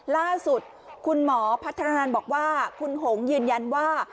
ล่าสุดคุณหมอพัฒนาบอกว่าคุณหงยืนยันว่า